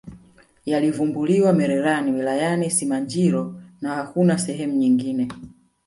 yalivumbuliwa mererani wilayani simanjiro na hakuna sehemu nyingine